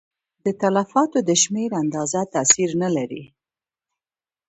د تلفاتو د شمېر اندازه تاثیر نه لري.